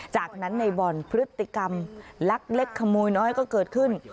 จากนั้นในบ่อนพฤติกรรมลักเล็กขโมยน้อยก็เกิดขึ้น